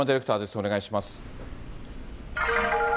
お願いします。